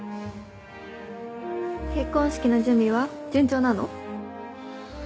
結婚式の準備は順調なの？